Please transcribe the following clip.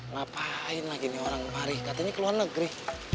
ngapain lagi nih orang pari katanya keluar negeri